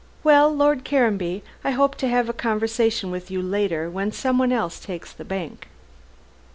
Well, Lord Caranby, I hope to have a conversation with you later when someone else takes the bank."